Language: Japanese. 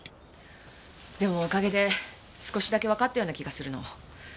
でもおかげで少しだけわかったような気がするの。